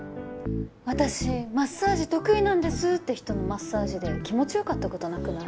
「私マッサージ得意なんです」って人のマッサージで気持ち良かったことなくない？